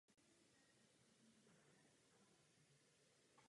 Velký rozmach ukončila krize ve třicátých letech.